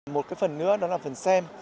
một cái phần nữa đó là phần xem